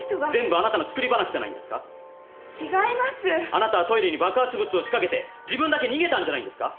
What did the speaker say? あなたはトイレに爆発物を仕掛けて自分だけ逃げたんじゃないんですか？